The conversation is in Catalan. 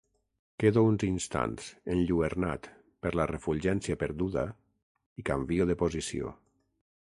Quedo uns instants enlluernat per la refulgència perduda i canvio de posició.